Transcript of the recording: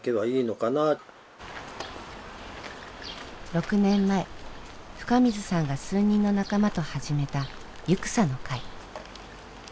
６年前深水さんが数人の仲間と始めた「ゆくさの会」。